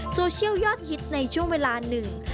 โซเชียลยอดฮิตในช่วงเวลาหนึ่ง